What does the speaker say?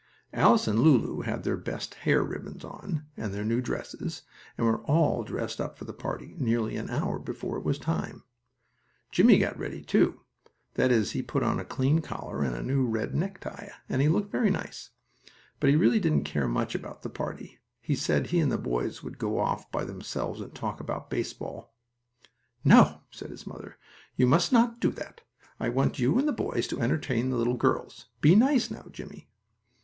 Alice and Lulu had their best hair ribbons on and their new dresses, and were all dressed up for the party nearly an hour before it was time. Jimmie got ready, too. That is, he put on a clean collar and a new, red necktie, and he looked very nice. But he really didn't care much about the party. He said he and the boys would go off by themselves and talk about baseball. "No," said his mother, "you must not do that. I want you and the boys to entertain the little girls. Be nice, now, Jimmie."